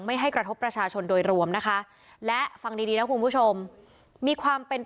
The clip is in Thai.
ไม่ให้กระทบประชาชนโดยรวมนะคะ